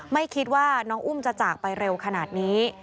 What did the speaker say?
ไม่คิดว่าน้องอุ้มจะจากไปเร็วขนาดนี้